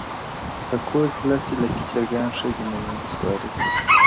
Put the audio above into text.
په کور کي لس ايله کي چرگان ښه دي، نه يو نسواري.